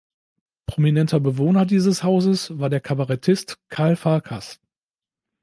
Prominenter Bewohner dieses Hauses war der Kabarettist Karl Farkas.